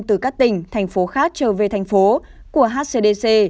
từ các tỉnh thành phố khác trở về thành phố của hcdc